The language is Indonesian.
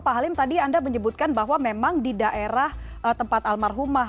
pak halim tadi anda menyebutkan bahwa memang di daerah tempat almarhumah